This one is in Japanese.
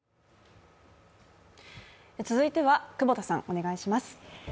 続いては、久保田さん、お願いします。